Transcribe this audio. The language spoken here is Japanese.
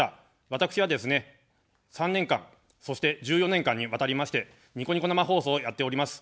私はですね、３年間、そして１４年間にわたりましてニコニコ生放送をやっております。